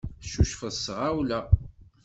Teccucfeḍ s tɣawla.